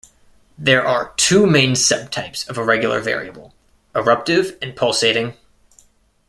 There are two main sub-types of irregular variable: eruptive and pulsating.